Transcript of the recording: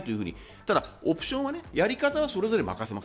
ただオプションは、やり方はそれぞれ任せます。